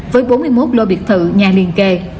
với bốn mươi một lô biệt thự nhà liên kề